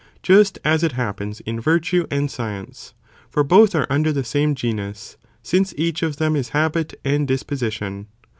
just as it happens in virtue and science, for both are under the same genus, since each of them is habit and disposition.